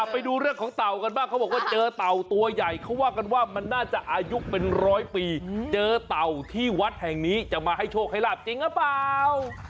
ไปดูเรื่องของเต่ากันบ้างเขาบอกว่าเจอเต่าตัวใหญ่เขาว่ากันว่ามันน่าจะอายุเป็นร้อยปีเจอเต่าที่วัดแห่งนี้จะมาให้โชคให้ลาบจริงหรือเปล่า